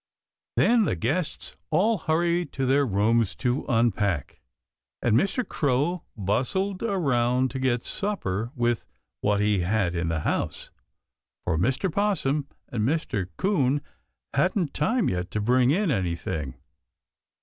Then the guests all hurried to their rooms to unpack, and Mr. Crow bustled around to get supper with what he had in the house, for Mr. 'Possum and Mr. 'Coon hadn't time yet to bring in anything.